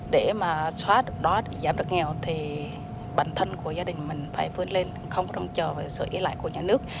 để mà xóa được đó giảm được nghèo thì bản thân của gia đình mình phải vươn lên không có trông chờ vào sự ý lại của nhà nước